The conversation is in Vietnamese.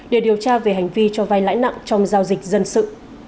để điều tra về hành vi cho vai lãi nặng trong giao dịch dân sự